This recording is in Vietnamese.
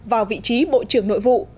vào vị trí bộ trưởng nội vụ